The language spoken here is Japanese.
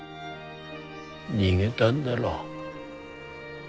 逃げだんだろ。